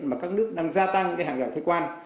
mà các nước đang gia tăng cái hàng rào thế quan